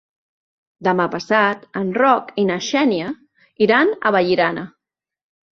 Demà passat en Roc i na Xènia iran a Vallirana.